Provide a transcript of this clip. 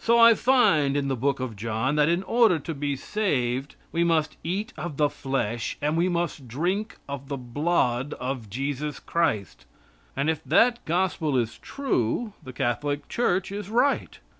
So I find in the book of John, that in order to be saved we must eat of the flesh and we must drink of the blood of Jesus Christ, and if that gospel is true, the Catholic Church is right.